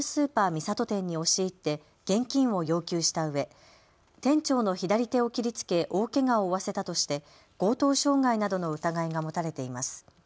三郷店に押し入って現金を要求したうえ店長の左手を切りつけ大けがを負わせたとして強盗傷害などの疑いが持たれています。